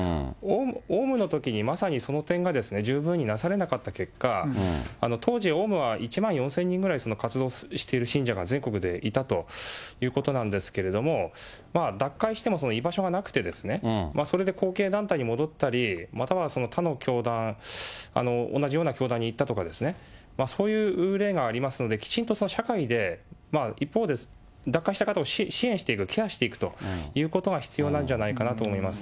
オウムのときに、まさにその点が十分になされなかった結果、当時、オウムは１万４０００人ぐらいその活動している信者が全国でいたということなんですけれども、脱会しても居場所がなくてですね、それで後継団体に戻ったり、または他の教団、同じような教団に行ったとかですね、そういう例がありますので、きちんと社会で一方で、脱会した方を支援していく、ケアしていくということが必要なんじゃないかなと思います。